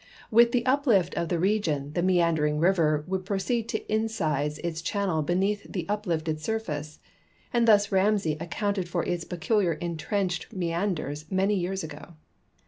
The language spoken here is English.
With the uplift of the region the meandering river would proceed to incise its channel beneath the uplifted surface, and thus Ram.say accounted for its peculiar intrenched meanders many years ago.